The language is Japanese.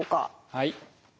はい。